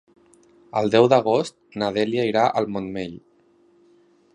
El deu d'agost na Dèlia irà al Montmell.